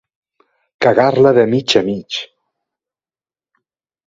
Cagar-la de mig a mig.